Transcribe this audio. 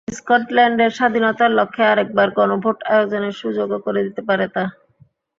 স্কটল্যান্ডের স্বাধীনতার লক্ষ্যে আরেকবার গণভোট আয়োজনের সুযোগও করে দিতে পারে তা।